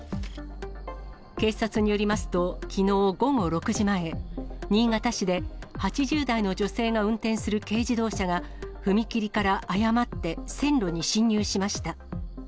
警察によりますと、きのう午後６時前、新潟市で８０代の女性が運転する軽自動車が踏切から誤って線路に進入しました。